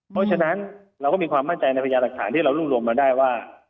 เพราะฉะนั้นเราก็มีความมั่นใจในพยานหลักฐานที่เรารวบรวมมาได้ว่า